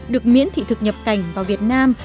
được miễn thị thực nhập cảnh vào việt nam